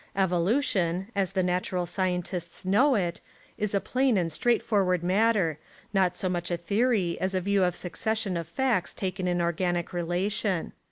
Evolution, as the natural scientists know it, is a plain and straightforward matter, not so much a theory as a view of a succession of facts taken in organic relation.